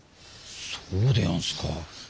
そうでやんすか。